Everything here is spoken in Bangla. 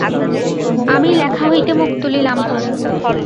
আমি লেখা হইতে মুখ তুলিলাম।